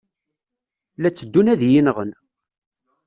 La tteddun ad iyi-nɣen.